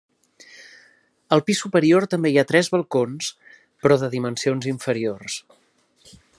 Al pis superior també hi ha tres balcons però de dimensions inferiors.